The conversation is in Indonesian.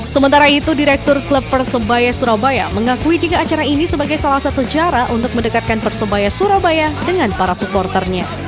sementara itu direktur klub persebaya surabaya mengakui jika acara ini sebagai salah satu cara untuk mendekatkan persebaya surabaya dengan para supporternya